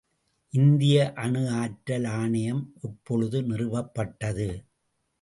இந்திய அணு ஆற்றல் ஆணையம் எப்பொழுது நிறுவப் பட்டது?